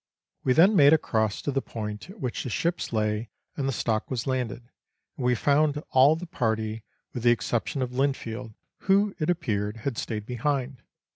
We then made across to the point at which the ships lay and the stock was landed, and we found all the party, with the exception of Linfield, who, it appeared, had stayed behind.